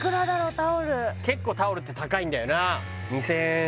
タオル結構タオルって高いんだよなあ